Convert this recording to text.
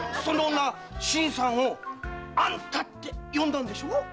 その女新さんを「あんた」って呼んだんでしょ？